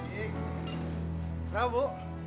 hai apa kabar bu